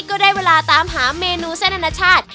ก็ได้เวลาตามหาเมนูเส้นอนาชาติ